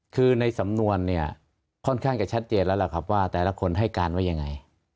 คือในสำนวนเนี่ยค่อนข้างจะชัดเจนแล้วล่ะครับว่าแต่ละคนให้การว่ายังไง